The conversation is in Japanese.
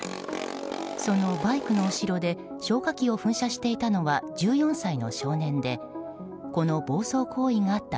そのバイクの後ろで消火器を噴射していたのは１４歳の少年でこの暴走行為があった